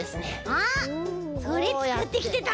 あっそれつくってきてたの？